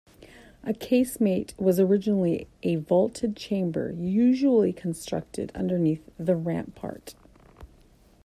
A casemate was originally a vaulted chamber usually constructed underneath the rampart.